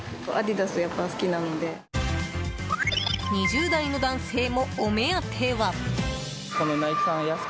２０代の男性もお目当ては。